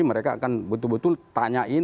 mereka akan betul betul tanyain